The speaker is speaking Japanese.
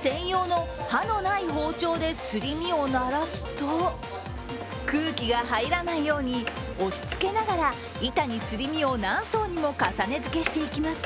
専用の刃のない包丁ですり身をならすと空気が入らないように押しつけながら板にすり身を何層にも重ねづけしていきます。